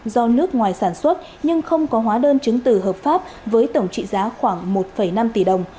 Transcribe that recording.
do nước ngoài sản xuất nhưng không có hóa đơn chứng từ hợp pháp với tổng trị giá khoảng một năm tỷ đồng